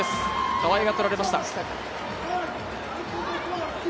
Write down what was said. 川井がとられました。